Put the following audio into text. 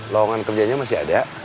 lawangan kerjanya masih ada